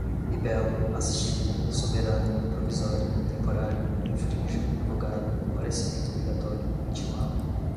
libelo, assistida, soberana, provisória, temporário, infrinja, revogada, comparecimento obrigatório, intimado